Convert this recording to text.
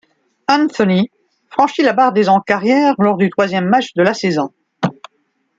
Anthony franchit la barre des en carrière lors du troisième match de la saison.